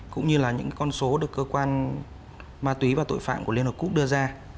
cũng như là những con số được cơ quan ma túy và tội phạm của liên hợp quốc đưa ra